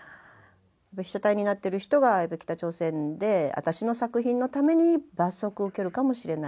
被写体になってる人が北朝鮮であたしの作品のために罰則を受けるかもしれない。